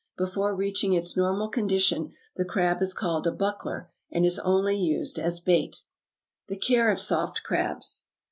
Before reaching its normal condition, the crab is called a buckler, and is only used as bait. =The Care of Soft Crabs.